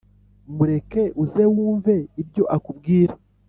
mureke uze wumve ibyo akubwira